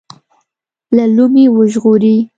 له لومې وژغوري.